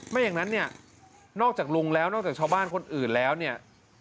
ไม่อย่างนั้นเนี่ยนอกจากลุงแล้วนอกจากชาวบ้านคนอื่นแล้วเนี่ย